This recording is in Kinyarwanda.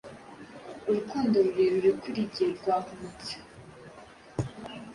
Urukundo rurerure kuri njye rwahunze